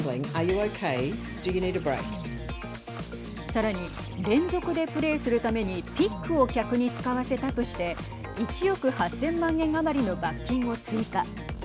さらに連続でプレーするためにピックを客に使わせたとして１億８０００万円余りの罰金を追加。